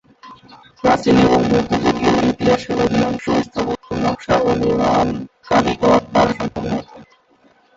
প্রাচীন এবং মধ্যযুগীয় ইতিহাসে অধিকাংশ স্থাপত্য নকশা ও নির্মাণ কারিগর দ্বারা সম্পন্ন হতো।